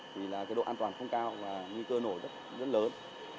thì là cái độ an toàn không cao và nguy cơ nổ rất lớn